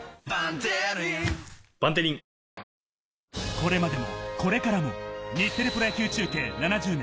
これまでも、これからも日テレプロ野球中継７０年。